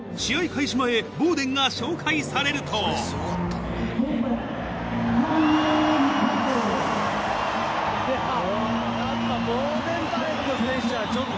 開始前ボーデンが紹介されるとハハっ！